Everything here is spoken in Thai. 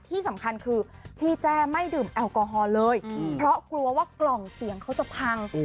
ที่สำคัญคือพี่แจ้ไม่ดื่มแอลกอฮอล์เลยเพราะกลัวว่ากล่องเสียงเขาจะพัง